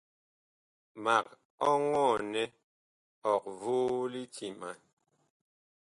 Mag ɔŋɔɔ nɛ ɔg voo litiman.